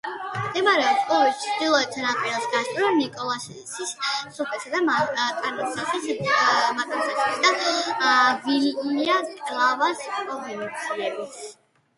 მდებარეობს კუბის ჩრდილოეთ სანაპიროს გასწვრივ, ნიკოლასის სრუტესა და მატანსასის და ვილია-კლარას პროვინციებს შორის.